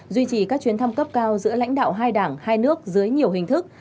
duy trì các chuyến thăm cấp cao giữa lãnh đạo hai đảng hai nước dưới nhiều hình thức